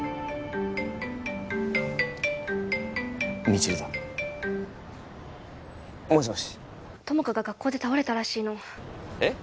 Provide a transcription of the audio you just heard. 未知留だもしもし友果が学校で倒れたらしいのえっ？